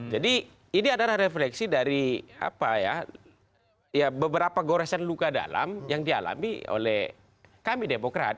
jadi ini adalah refleksi dari beberapa goresan luka dalam yang dialami oleh kami demokrat